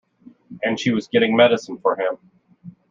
And she was getting medicine for him?